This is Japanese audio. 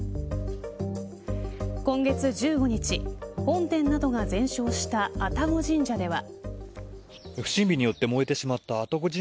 今月１５日本殿などが全焼した愛宕神社では。